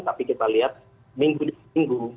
tapi kita lihat minggu dan minggu